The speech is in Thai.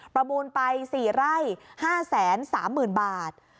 ประมูลไป๔ไร่๕๓๐๐๐บาท